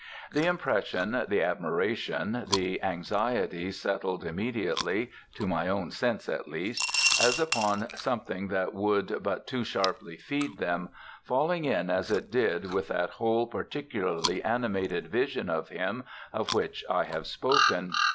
The impression, the admiration, the anxiety settled immediately to my own sense at least as upon something that would but too sharply feed them, falling in as it did with that whole particularly animated vision of him of which I have spoken.